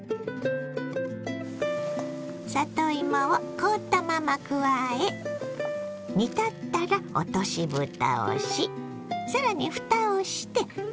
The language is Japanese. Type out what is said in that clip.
里芋を凍ったまま加え煮立ったら落としぶたをし更にふたをして１０分ほど煮ます。